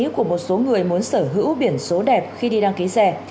của một số người muốn sở hữu biển số đẹp khi đi đăng ký rẻ